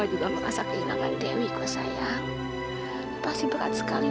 apa maksudnya kamu udah gak berarti lagi